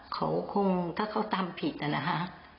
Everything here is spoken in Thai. เขาคงถ้าเขาตามผิดนะฮะ